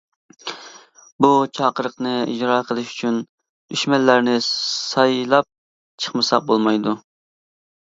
بۇ چاقىرىقنى ئىجرا قىلىش ئۈچۈن دۈشمەنلەرنى سايلاپ چىقمىساق بولمايدۇ.